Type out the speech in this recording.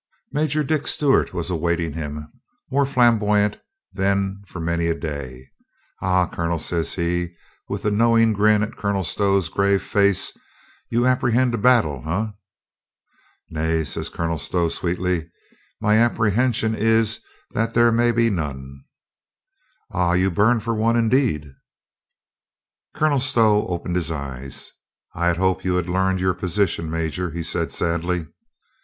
Major Dick Stewart was awaiting him, more flam boyant than for many a day. "Aha, Colonel," 172 COLONEL GREATHEART says he, with a knowing grin at Colonel Stow's grave face, "you apprehend a battle, eh ?" "Nay," said Colonel Stow sweetly, "my appre hension is there may be none." "Ay, you burn for one, indeed." Colonel Stow opened his eyes, "I had hoped you had learned your position. Major," he said sadly.